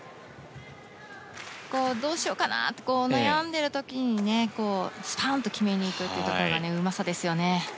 どうしようかなと悩んでいる時にねスパンと決めに行くというところのうまさですよね。